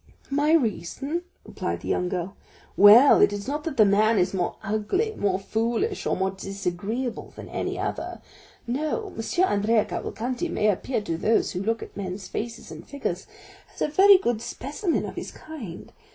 "My reason?" replied the young girl. "Well, it is not that the man is more ugly, more foolish, or more disagreeable than any other; no, M. Andrea Cavalcanti may appear to those who look at men's faces and figures as a very good specimen of his kind.